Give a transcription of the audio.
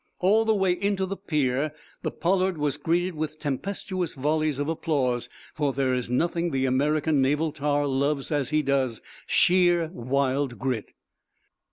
All the way into the pier the "Pollard" was greeted with tempestuous volleys of applause, for there is nothing the American naval tar loves as he does sheer, wild grit.